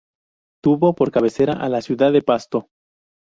Tuvo por cabecera a la ciudad de Pasto.